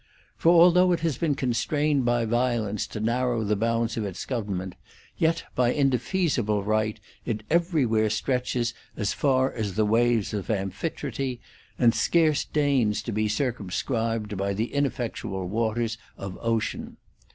For although it has been constrained by violence to narrow the bounds of its government, yet by indefeasible right it everywhere stretches as far as the waves of Amphitrite, and scarce deigns to be circum scribed by the ineffectual waters of Ocean.